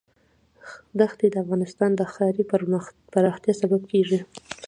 ښتې د افغانستان د ښاري پراختیا سبب کېږي.